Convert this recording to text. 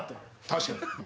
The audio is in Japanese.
確かに。